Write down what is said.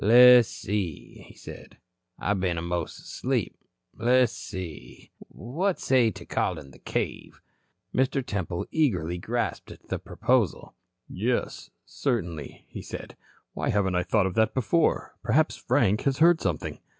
"Le's see," he said. "I been a'most asleep. Le's see. What say to calling the cave?" Mr. Temple eagerly grasped at the proposal. "Yes, certainly," he said. "Why haven't I thought of that before? Perhaps Frank has heard something."